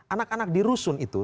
anak anak di rusun itu